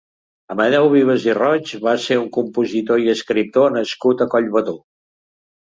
Amadeu Vives i Roig va ser un compositor i escriptor nascut a Collbató.